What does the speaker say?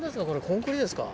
コンクリですか？